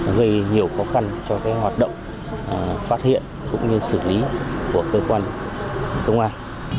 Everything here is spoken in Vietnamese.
gây nhiều khó khăn cho hoạt động phát hiện cũng như xử lý của cơ quan công an